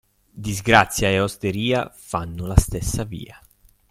Disgrazia e osteria fanno la stessa via.